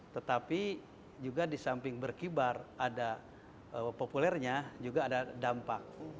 tetapi juga di samping berkibar ada populernya juga ada dampak